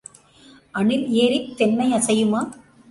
அணில் ஏறித் தென்னை அசையுமா?